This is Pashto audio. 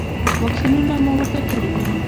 واکسینونه مو ورته کړي دي؟